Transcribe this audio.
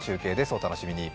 お楽しみに。